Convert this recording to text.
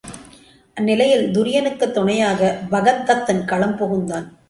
அந்நிலையில் துரியனுக்குத் துணையாகப் பகத்தத்தன் களம் புகுந்தான்.